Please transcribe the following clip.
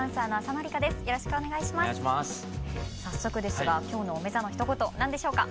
早速ですが今日のおめざのひと言何でしょうか？